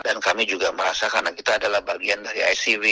dan kami juga merasa karena kita adalah bagian dari icb